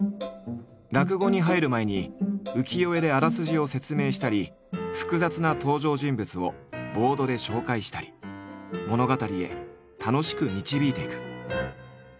落語に入る前に浮世絵であらすじを説明したり複雑な登場人物をボードで紹介したり物語へ楽しく導いていく。